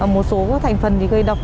một số thành phần gây độc